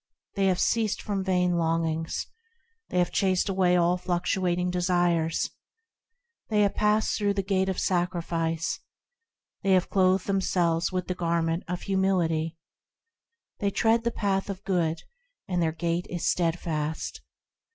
They have ceased from vain longings ; They have chased away all fluctuating desires; They have passed through the Gate of Sacrifice, They have clothed themselves with the Garment of Humility, They tread the Path of Good, and their gait is steadfast.